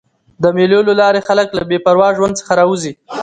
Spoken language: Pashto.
د مېلو له لاري خلک له بې پروا ژوند څخه راوځي.